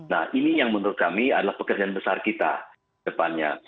nah ini yang menurut kami adalah pekerjaan besar kita depannya